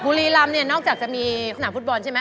บุรีรำเนี่ยนอกจากจะมีสนามฟุตบอลใช่ไหม